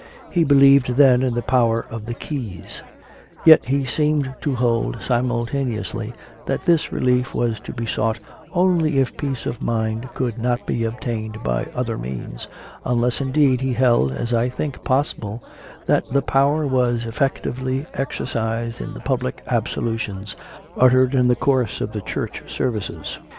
He believed,. then, in the Power of the Keys; yet he seemed to hold simultaneously that this relief was to be sought only if peace of mind could not be obtained by other means, unless, indeed, he held, as I think possible, that the Power was effec tively exercised in the public "absolutions" uttered in the course of the Church services.